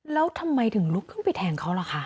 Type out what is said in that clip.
แล้วทำไมถึงลุกขึ้นไปแทงเขาล่ะคะ